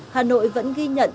hà nội vẫn ghi nhận